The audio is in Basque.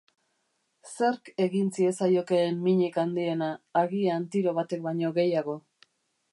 Zerk egin ziezaiokeen minik handiena, agian tiro batek baino gehiago?